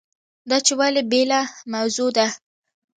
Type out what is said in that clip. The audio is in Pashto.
دا چې ولې بېله موضوع ده.